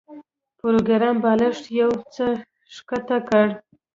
پروګرامر بالښت یو څه ښکته کړ